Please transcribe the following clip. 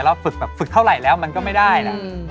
ฝึกแบบฝึกเท่าไหร่แล้วมันก็ไม่ได้นะ